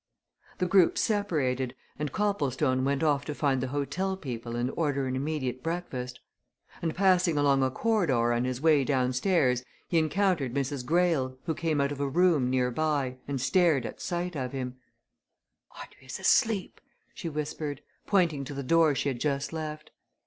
The group separated, and Copplestone went off to find the hotel people and order an immediate breakfast. And passing along a corridor on his way downstairs he encountered Mrs. Greyle, who came out of a room near by and started at sight of him. "Audrey is asleep," she whispered, pointing to the door she had just left.